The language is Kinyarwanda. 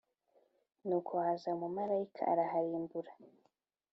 Nuko haza umumarayika araharimbura